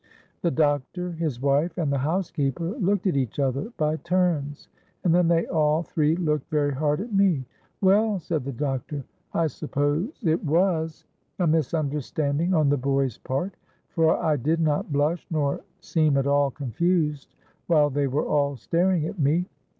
'—The doctor, his wife, and the housekeeper looked at each other by turns; and then they all three looked very hard at me. 'Well,' said the doctor, 'I suppose it was a misunderstanding on the boy's part;'—for I did not blush nor seem at all confused while they were all staring at me.